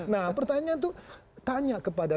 nah pertanyaan itu tanya kepada